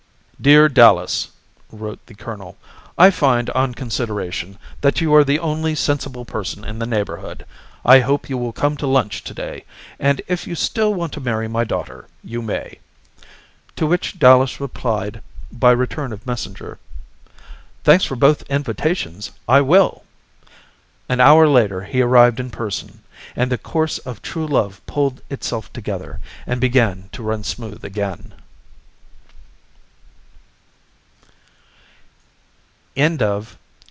"Dear Dallas" (wrote the colonel), "I find, on consideration, that you are the only sensible person in the neighbourhood. I hope you will come to lunch to day. And if you still want to marry my daughter, you may." To which Dallas replied by return of messenger: "Thanks for both invitations. I will." An hour later he arrived in person, and the course of true love pulled itself together, and began to run smooth again.